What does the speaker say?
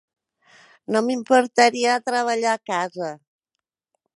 No m'importaria treballar a casa.